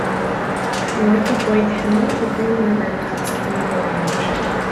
North of White Hill the Green River cuts through the range.